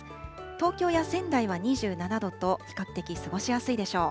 東京や仙台は２７度と比較的過ごしやすいでしょう。